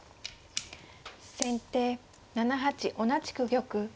先手７八同じく玉。